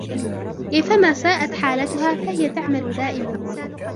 كيفما ساءت حالتها، فهي تعمل دائماً.